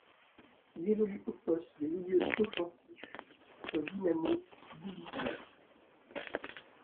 Il évolue au poste de milieu offensif au Dinamo Tbilissi.